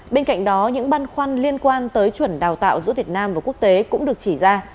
bên cạnh đó những băn khoăn liên quan tới chuẩn đào tạo giữa việt nam và quốc tế cũng được chỉ ra